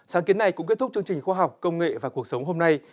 sáng kiến này cũng kết thúc chương trình khoa học công nghệ và cuộc sống hôm nay